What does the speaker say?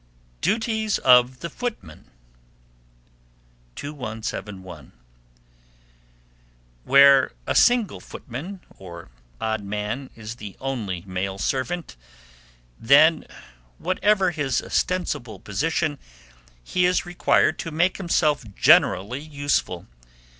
DUTIES OF THE FOOTMAN. 2171. Where a single footman, or odd man, is the only male servant, then, whatever his ostensible position, he is required to make himself generally useful.